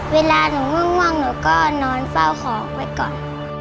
เวลาหนูง่วงหนูก็นอนเฝ้าของไว้ก่อน